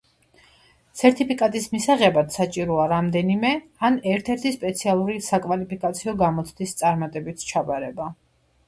სერტიფიკატის მისაღებად საჭიროა რამდენიმე ან ერთ-ერთი სპეციალური საკვალიფიკაციო გამოცდის წარმატებით ჩაბარება.